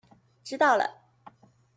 知道了